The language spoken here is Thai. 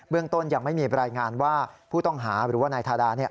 เรื่องต้นยังไม่มีรายงานว่าผู้ต้องหาหรือว่านายทาดาเนี่ย